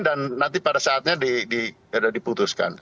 dan nanti pada saatnya diputuskan